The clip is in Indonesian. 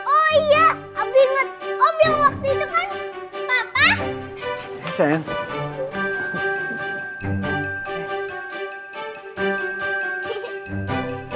oh iya abie inget om yang waktu itu kan papa